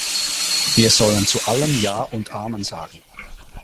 Wir sollen zu allem Ja und Amen sagen.